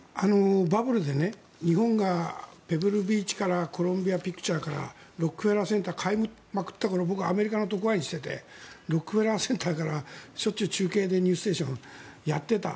バブルで日本がペブルビーチからコロンビアピクチャーからロックフェラー・センター買いまくった頃僕はアメリカの特派員をしていてロックフェラー・センターからしょっちゅう中継で「ニュースステーション」をやっていた。